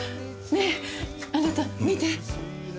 ねえあなた見て。